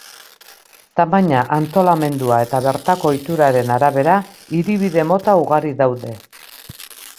Tamaina, antolamendua eta bertako ohituraren arabera, hiribide mota ugari daude.